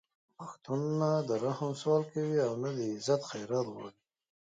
پښتون نه د رحم سوال کوي او نه د عزت خیرات غواړي